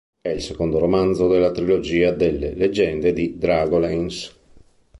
È il secondo romanzo della trilogia delle "Leggende di Dragonlance".